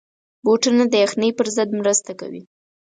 بوټونه د یخنۍ پر ضد مرسته کوي.